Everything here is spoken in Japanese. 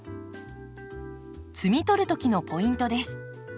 摘み取る時のポイントです。